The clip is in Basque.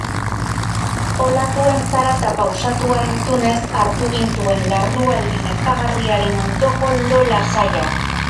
Olatuen zarata pausatua entzunez hartu gintuen larrualdi nekagarriaren ondoko lo lasaiak.